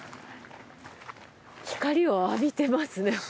光を浴びてますね